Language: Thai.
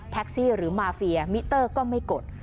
แท็กซี่หรือมาเฟียมิเตอร์ก็ไม่กด